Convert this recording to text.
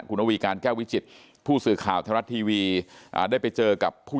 กูนวีการแก้ววิจิติผู้สื่อข่าวธรรมดาทีวีได้ไปเจอกับผู้